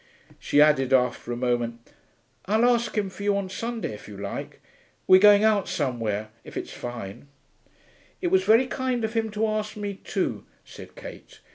She added after a moment, 'I'll ask him for you on Sunday, if you like. We're going out somewhere, if it's fine.' 'It was very kind of him to ask me too,' said Kate.